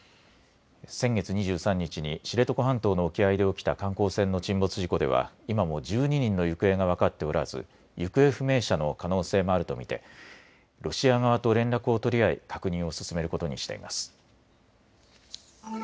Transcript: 先月２３日に知床半島の沖合で起きた観光船の沈没事故では今も１２人の行方が分かっておらず行方不明者の可能性もあると見てロシア側と連絡を取り合い確認を進めることにしています。